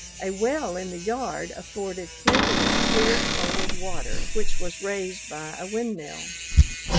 A well in the yard afforded plenty of clear, cold water, which was raised by a windmill.